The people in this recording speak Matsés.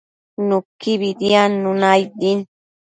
Nuquibi diadnuna aid din